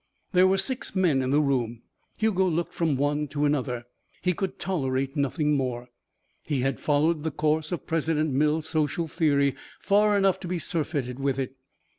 There were six men in the room. Hugo looked from one to another. He could tolerate nothing more; he had followed the course of President Mills's social theory far enough to be surfeited with it.